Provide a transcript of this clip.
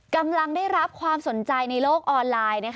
กำลังได้รับความสนใจในโลกออนไลน์